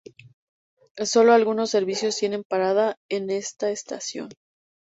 Solo algunos servicios tienen parada en esta estación.